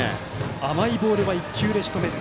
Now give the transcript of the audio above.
甘いボールは１球でしとめる。